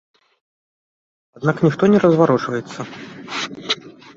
Аднак ніхто не разварочваецца.